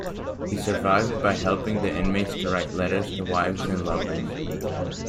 He survived by helping the inmates to write letters to wives and lovers.